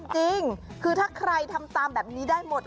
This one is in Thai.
จริงคือถ้าใครทำตามแบบนี้ได้หมด